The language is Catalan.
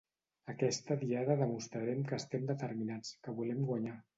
Aquesta Diada demostrarem que estem determinats, que volem guanyar.